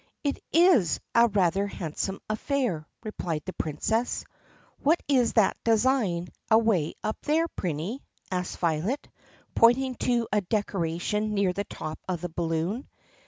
"It is a rather handsome affair," replied the Princess. "What is that design away up there, Prinny 4 ?" asked Violet pointing to a decoration near the top of the balloon.